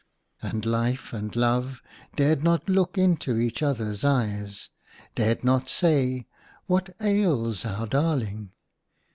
And Life and Love dared not look into each other's eyes, dared not say, " What ails our darling